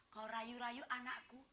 kau rayu rayu anakku